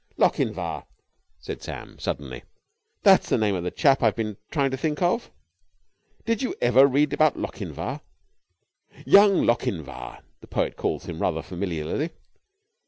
"Lochinvar!" said Sam suddenly. "That's the name of the chap I've been trying to think of! Did you ever read about Lochinvar? 'Young Lochinvar' the poet calls him rather familiarly.